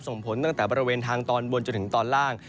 ส่งผลตั้งแต่บริเวณทางตอนบนจนถึงตอนล่าง